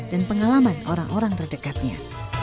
dan pengalaman orang orang terdekatnya